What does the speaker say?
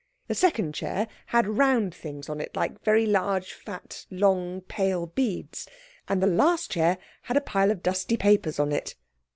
The second chair had round things on it like very large, fat, long, pale beads. And the last chair had a pile of dusty papers on it.